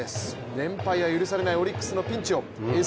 連敗は許されないオリックスのピンチを「Ｓ☆